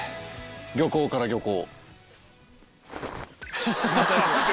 漁港から漁港。